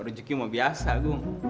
rejeki mah biasa agung